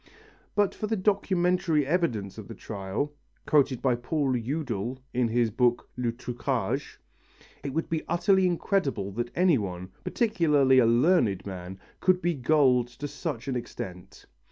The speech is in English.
But for the documentary evidence of the trial (quoted by Paul Eudel in his book, Le Truquage), it would be utterly incredible that anyone, particularly a learned man, could be gulled to such an extent.